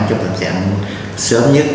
trong tình trạng sớm nhất